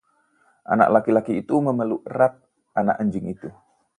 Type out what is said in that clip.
Anak laki-laki itu memeluk erat anak anjing itu.